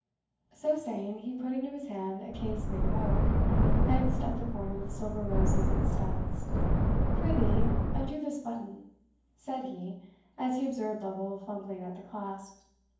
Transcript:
So saying, he put into his hand a case made of oak, fenced at the corner with silver roses and studs "Pr'ythee, undo this button," said he, as he observed Lovel fumbling at the clasp.